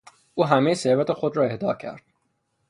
او همهی ثروت خود را اهدا کرد.